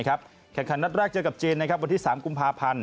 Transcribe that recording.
แข่งขันนัดแรกเจอกับจีนวันที่๓กพ